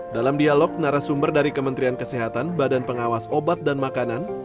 dalam dialog narasumber dari kementerian kesehatan badan pengawas obat dan makanan